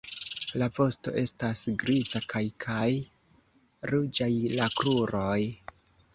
La vosto estas griza kaj kaj ruĝaj la kruroj.